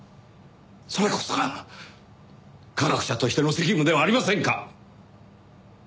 それこそが科学者としての責務ではありませんか？